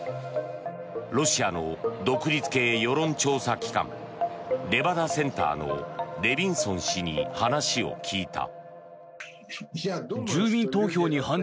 ロシアの独立系世論調査機関レバダ・センターのレビンソン氏に話を聞いた。